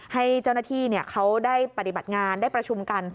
ให้เจ้าหน้าที่เขาได้ปฏิบัติงานได้ประชุมกัน